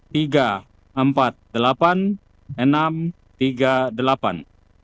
tiga empat delapan enam tiga delapan